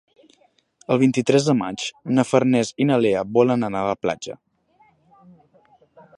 El vint-i-tres de maig na Farners i na Lea volen anar a la platja.